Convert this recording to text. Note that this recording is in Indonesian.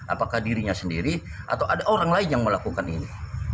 apakah dirinya sendiri atau ada orang lain yang melakukan ini